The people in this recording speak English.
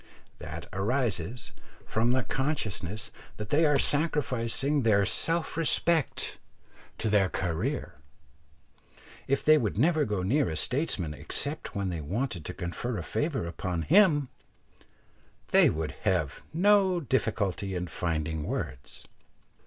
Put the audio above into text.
That arises from the consciousness that they are sacrificing their self respect to their "career." If they would never go near a statesman except when they wanted to confer a favour upon him, they would have no difficulty in finding words.